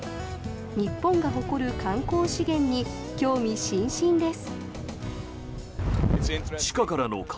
日本が誇る観光資源に興味津々です。